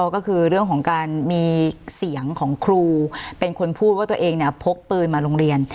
ก็คือเรื่องของการมีเสียงของครูเป็นคนพูดว่าตัวเองเนี่ยพกปืนมาโรงเรียน